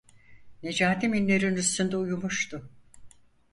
Necati minderin üstünde uyumuştu.